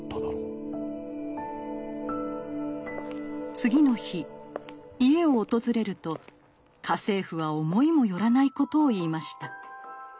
次の日家を訪れると家政婦は思いもよらないことを言いました。